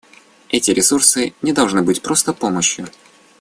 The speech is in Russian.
Эти ресурсы не должны быть просто помощью.